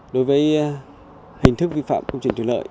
đối với hình thức vi phạm công trình thủy lợi